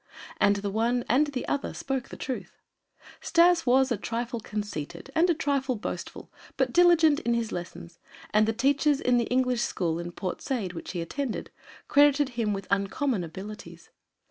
And the one and the other spoke the truth. Stas was a trifle conceited and a trifle boastful, but diligent in his lessons, and the teachers in the English school in Port Said, which he attended, credited him with uncommon abilities.